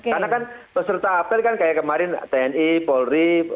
karena kan peserta apel kan kayak kemarin tni polri